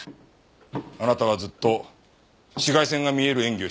あなたはずっと紫外線が見える演技をしてきた。